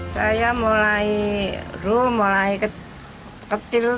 saya mulai rumah mulai keturunan